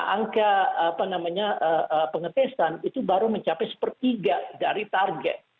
angka pengetesan itu baru mencapai sepertiga dari target